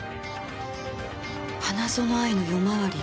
花園愛の夜回り。